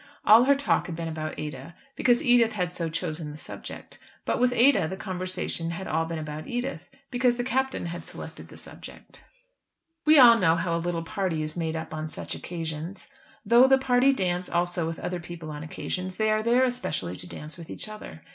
All her talk had been about Ada, because Edith had so chosen the subject. But with Ada the conversation had all been about Edith, because the Captain had selected the subject. We all know how a little party is made up on such occasions. Though the party dance also with other people on occasions, they are there especially to dance with each other.